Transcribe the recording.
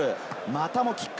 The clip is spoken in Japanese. またもキック。